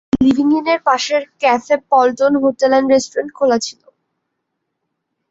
তবে লিভিং ইনের পাশের cafe Paltan hotel and restaurant খোলা ছিল।